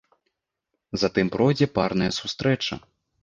Затым пройдзе парная сустрэча.